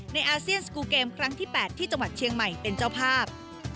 อาเซียนสกูลเกมครั้งที่๘ที่จังหวัดเชียงใหม่เป็นเจ้าภาพ